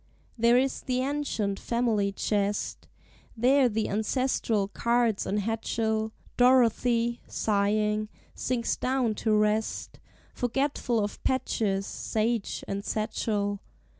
There is the ancient family chest, There the ancestral cards and hatchel; Dorothy, sighing, sinks down to rest, Forgetful of patches, sage, and satchel.